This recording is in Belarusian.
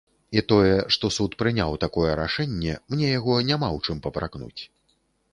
І тое, што суд прыняў такое рашэнне, мне яго няма ў чым папракнуць.